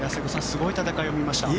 すごい戦いを見ました。